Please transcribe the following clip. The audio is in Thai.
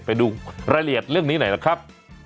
ไปดูรายละเอียดเรื่องนี้หน่อยนะครับ